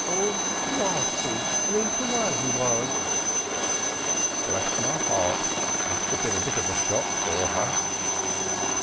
All whitey and eat away he was." "Bless my heart! Must have been rather a shock for her!"